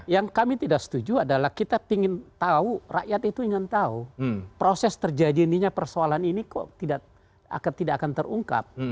yang kami tidak setuju adalah kita ingin tahu rakyat itu ingin tahu proses terjadi ininya persoalan ini kok tidak akan terungkap